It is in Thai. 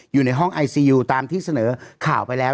อยู่ในห้องไอซียูตามที่เสนอข่าวไปแล้ว